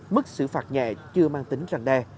mức xử phạt nhẹ chưa mang tính ràng đe